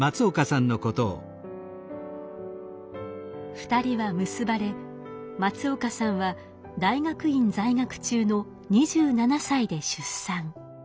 ２人は結ばれ松岡さんは大学院在学中の２７歳で出産。